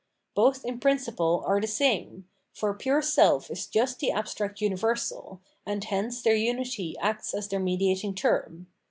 Both in principle are the same ; for pure self is just the abstract universal, and hence their unity acts as their mediating term.